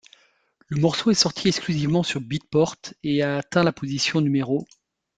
Le morceau est sorti exclusivement sur Beatport et a atteint la position No.